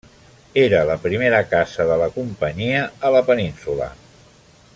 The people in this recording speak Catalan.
Era la primera Casa de la Companyia a la Península.